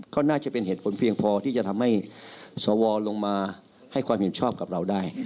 ก็น่าจะเป็นเหตุผลเพียงพอที่จะทำให้สวลงมาให้ความเห็นชอบกับเราได้